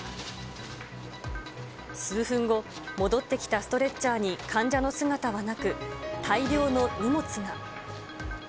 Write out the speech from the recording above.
数分後、戻ってきたストレッチャーに患者の姿はなく、大量の荷物が。